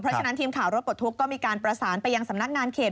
เพราะฉะนั้นทีมข่าวรถปลดทุกข์ก็มีการประสานไปยังสำนักงานเขต